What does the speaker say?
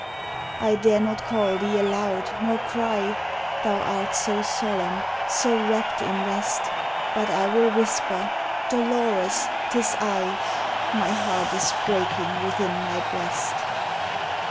I dare not call thee aloud, nor cry, Thou art so solemn, so rapt in rest, But I will whisper: Dolores, 'tis I: My heart is breaking within my breast.